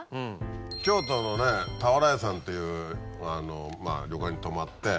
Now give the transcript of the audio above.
京都のね俵屋さんっていう旅館に泊まって。